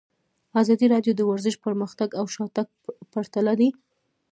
ازادي راډیو د ورزش پرمختګ او شاتګ پرتله کړی.